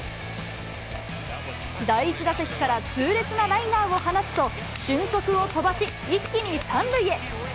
第１打席から痛烈なライナーを放つと、俊足を飛ばし、一気に３塁へ。